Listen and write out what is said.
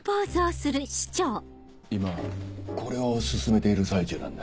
今これを進めている最中なんだ。